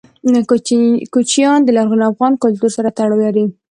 کوچیان د لرغوني افغان کلتور سره تړاو لري.